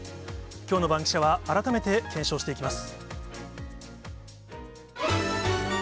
きょうのバンキシャは改めて検証していきます。